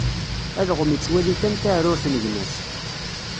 Alɣem ittwali kan taɛrurt n gma-s.